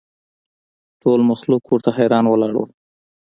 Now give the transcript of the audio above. ټول مخلوق ورته حیران ولاړ ول